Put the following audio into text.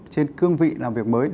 trên cương vị làm việc mới